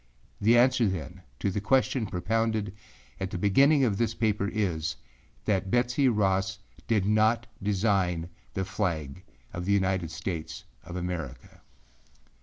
The answer, then, to the question propounded at the beginning of this paper is, that Betsey Ross did not design the flag of the United States of America.